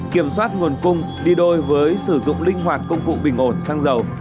kiểm soát nguồn cung đi đôi với sử dụng linh hoạt công cụ bình ổn xăng dầu